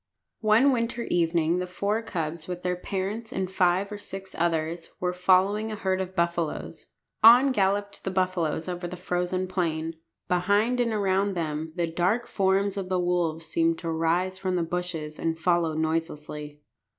One winter evening the four cubs, with their parents and five or six others, were following a herd of buffaloes. On galloped the buffaloes over the frozen plain. Behind and around them the dark forms of the wolves seemed to rise from the bushes and follow noiselessly.